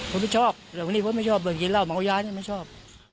ผมไม่ชอบหลังวันนี้ผมไม่ชอบเบื้องเย็นเหล้ามักเอาย้านไม่ชอบ